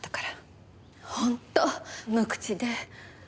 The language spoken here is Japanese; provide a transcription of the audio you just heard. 本当無口で。